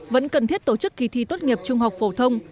vẫn cần thiết tổ chức kỳ thi tốt nghiệp trung học phổ thông